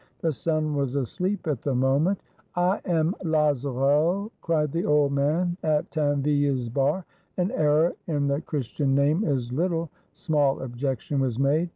The son was asleep at the moment. "I am Loiserolles," cried the old man at Tinville's bar, an error in the Chris tian name is little; small objection was made.